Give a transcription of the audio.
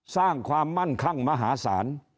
สร้างความมั่นคั่งมหาศาล